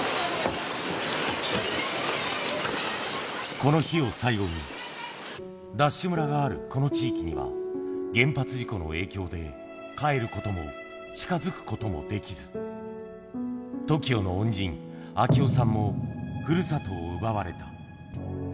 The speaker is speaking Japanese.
この日を最後に、ＤＡＳＨ村があるこの地域には、原発事故の影響で、帰ることも、近づくこともできず、ＴＯＫＩＯの恩人、明雄さんも、ふるさとを奪われた。